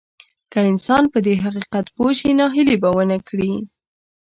که انسان په دې حقيقت پوه شي ناهيلي به ونه کړي.